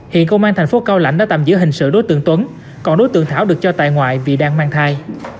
hiện công an thành phố cao lãnh đã tạm giữ hình sự đối tượng tuấn còn đối tượng thảo được cho tại ngoại vì đang mang thai